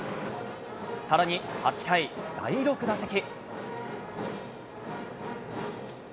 さらに８回第６打席。